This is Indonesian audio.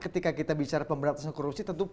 ketika kita bicara pemberantasan korupsi tentu